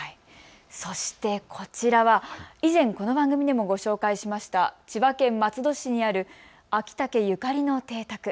そして、こちらは以前この番組でもご紹介しました千葉県松戸市にある昭武ゆかりの邸宅。